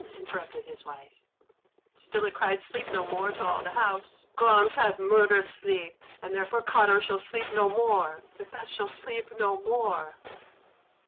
interrupted his wife. "Still it cried 'Sleep no more!' to all the house; 'Glamis hath murdered sleep, and therefore Cawdor shall sleep no more, Macbeth shall sleep no more.